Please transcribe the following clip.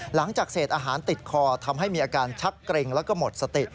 หลังจากเศษอาหารติดคอทำให้มีอาการชักเกร็งแล้วก็หมดสติ